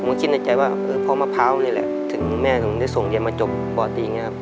ผมก็คิดในใจว่าพ่อมะพร้าวดูดูเลยแหละถึงแม่มาส่งเชียนมาคราวอีกนะครับ